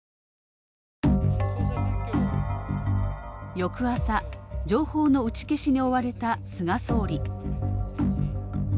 翌朝、情報の打ち消しに追われた菅総理。